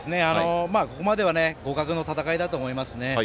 ここまでは互角の戦いだと思いますね。